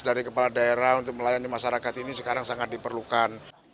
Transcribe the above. dari kepala daerah untuk melayani masyarakat ini sekarang sangat diperlukan